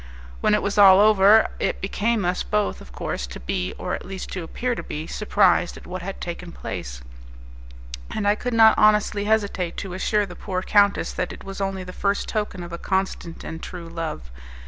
When it was all over, it became us both, of course, to be, or at least to appear to be, surprised at what had taken place, and I could not honestly hesitate to assure the poor countess that it was only the first token of a constant and true love.